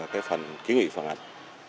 cái phần kiến nghị phản ảnh